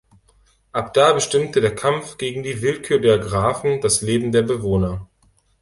Ab da bestimmte der Kampf gegen die Willkür der Grafen das Leben der Bewohner.